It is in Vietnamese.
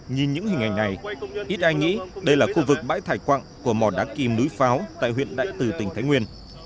nhìn những hình ảnh này ít ai nghĩ đây là khu vực bãi thải quặng của mò đá kìm núi pháo tại huyện đại từ tỉnh thái nguyên